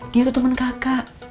dia tuh temen kakak